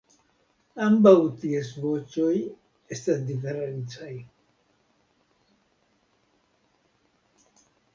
Ambaŭ ties voĉoj estas diferencaj.